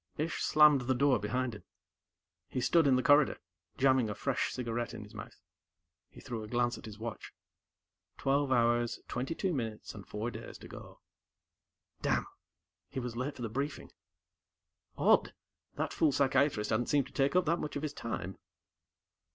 Ish slammed the door behind him. He stood in the corridor, jamming a fresh cigarette in his mouth. He threw a glance at his watch. Twelve hours, twenty two minutes, and four days to go. Damn! He was late for the briefing. Odd that fool psychiatrist hadn't seemed to take up that much of his time.